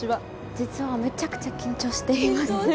実は、めちゃくちゃ緊張しています。